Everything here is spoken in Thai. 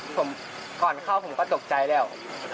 ผมก่อนเข้าผมก็ตกใจแล้ว